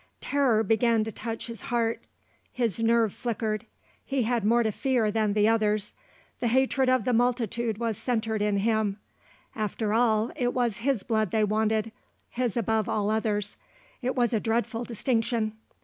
Terror began to touch his heart; his nerve flickered; he had more to fear than the others. The hatred of the multitude was centred in him; after all it was his blood they wanted, his above all others. It was a dreadful distinction.